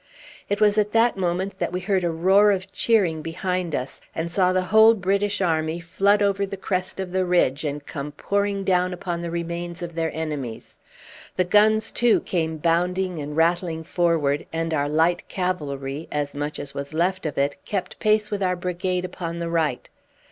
It was at that moment that we heard a roar of cheering behind us, and saw the whole British army flood over the crest of the ridge, and come pouring down upon the remains of their enemies. The guns, too, came bounding and rattling forward, and our light cavalry as much as was left of it kept pace with our brigade upon the right.